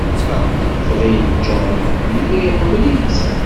Tɣil John yella iḥemmel-itt.